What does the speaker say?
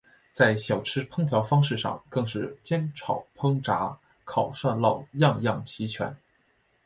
在小吃烹调方式上更是煎炒烹炸烤涮烙样样齐全。